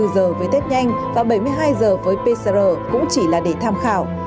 hai mươi giờ với tết nhanh và bảy mươi hai giờ với pcr cũng chỉ là để tham khảo